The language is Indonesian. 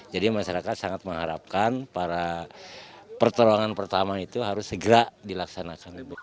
jadi masyarakat sangat mengharapkan para pertolongan pertama itu harus segera dilaksanakan